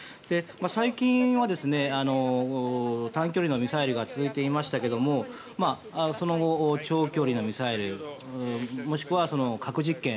最近は短距離のミサイルが続いていましたがその後、長距離のミサイルもしくは核実験。